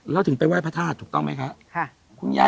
แข็งแรงเนอะ